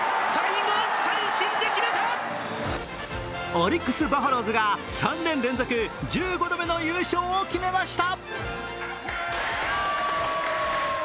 オリックス・バファローズが３年連続１５度目の優勝を決めました。